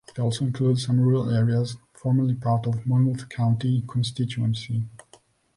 It also included some rural areas formerly part of Monmouth county constituency.